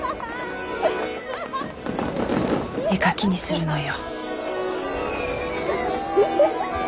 絵描きにするのよ。